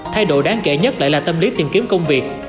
thay đổi đáng kể nhất lại là tâm lý tìm kiếm công việc